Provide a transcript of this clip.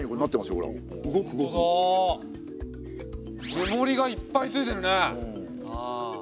目盛りがいっぱいついてるね。